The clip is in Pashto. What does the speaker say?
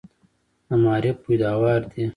د معارف پیداوار دي.